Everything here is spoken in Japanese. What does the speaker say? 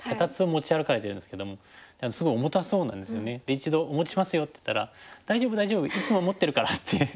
一度「お持ちしますよ」って言ったら「大丈夫大丈夫いつも持ってるから」って。